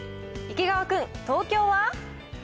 池川君、東京は？